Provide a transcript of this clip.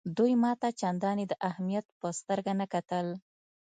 دوی ما ته چنداني د اهمیت په سترګه نه کتل.